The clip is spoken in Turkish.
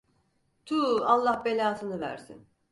Tuu Allah belasını versin.